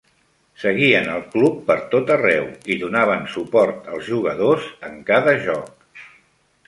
Seguien al club per tot arreu i donaven suport als jugadors en cada joc.